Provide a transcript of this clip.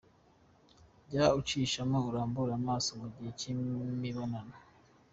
Jya ucishamo urambure amaso mu gihe cy’imibonano.